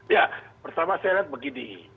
ya pertama saya lihat begini